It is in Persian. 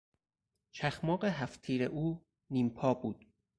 چخماق هفت تیر او نیم پا بود.